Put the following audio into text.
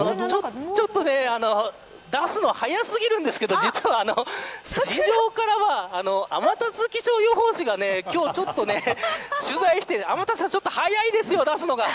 ちょっと出すの早過ぎるんですけど実は、地上からは天達気象予報士が今日、ちょっと取材してて天達さん、ちょっと早いですよ出すのが。